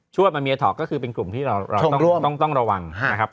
ชวดมะเมียถ่อก็คือเป็นกลุ่มที่เราต้องระวัง